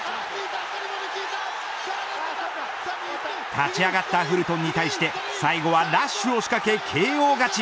立ち上がったフルトンに対して最後はラッシュを仕掛けＫＯ勝ち。